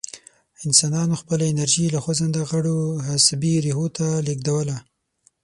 انسانانو خپله انرژي له خوځنده غړو عصبي ریښو ته لېږدوله.